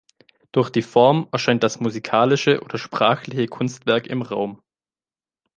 Durch die Form erscheint das musikalische oder sprachliche Kunstwerk im Raum.